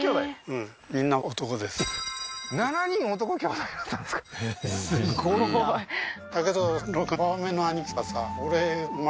うん７人男兄弟だったんですかえっすごいなああー